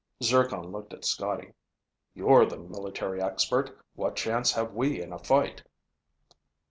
Zircon looked at Scotty. "You're the military expert. What chance have we in a fight?"